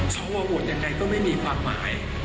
เพราะว่าโหวตอย่างไรก็ไม่มีภาคหมาย